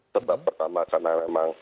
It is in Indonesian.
sebab pertama karena memang